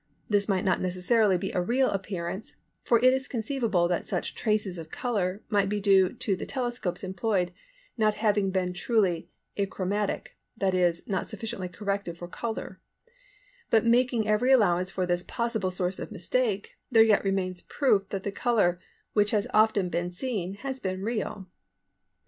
This might not necessarily be a real appearance for it is conceivable that such traces of colour might be due to the telescopes employed not having been truly achromatic, that is, not sufficiently corrected for colour; but making every allowance for this possible source of mistake there yet remains proof that the colour which has often been seen has been real.